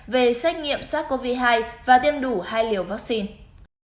về xét nghiệm sars cov hai và tiêm đủ hai liều vaccine